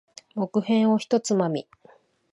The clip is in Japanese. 木片を一つまみ。